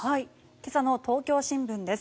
今朝の東京新聞です。